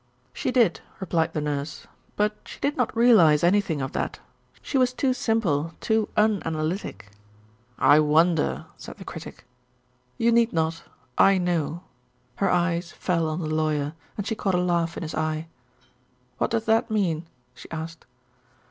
"She did," replied the Nurse, "but she did not realize anything of that. She was too simple, too unanalytic." "I wonder?" said the Critic. "You need not, I know." Her eyes fell on the Lawyer, and she caught a laugh in his eye. "What does that mean?" she asked.